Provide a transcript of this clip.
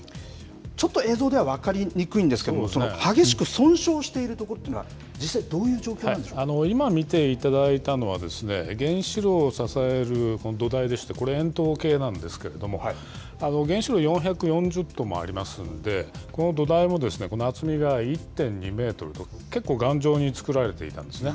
ちょっと映像では分かりにくいんですけれども、激しく損傷している所というのは、実際、どういう今、見ていただいたのは、原子炉を支えるこの土台でして、円筒形なんですけれども、原子炉４４０トンもありますんで、この土台もこの厚みが１．２メートルと、結構、頑丈に作られていたんですね。